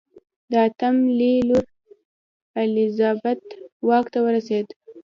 د اتم لي لور الیزابت واک ته ورسېده.